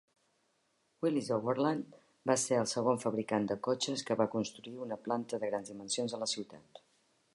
Willys-Overland va ser el segon fabricant de cotxes que va construir una planta de grans dimensions a la ciutat.